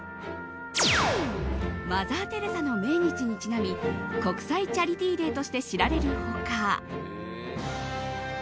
マザー・テレサの命日にちなみ国際チャリティー・デーとして知られる他